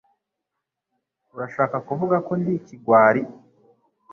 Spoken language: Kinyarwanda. Urashaka kuvuga ko ndi ikigwari?